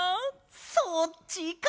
そっちか！